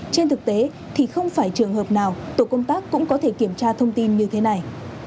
trên thực tế thì không phải trường hợp nào tổ công tác cũng có thể kiểm tra thông tin như thế này